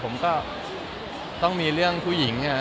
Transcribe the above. ผมก็ต้องมีเรื่องผู้หญิง